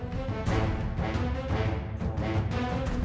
kayaknya saya menangis lebih baik dengan ibu